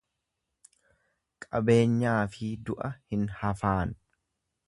Qabeenyaafi du'a hin hafaan.